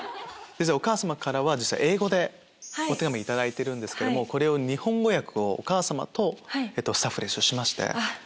お母様からは英語でお手紙頂いてるんですけども日本語訳をお母様とスタッフでしまして。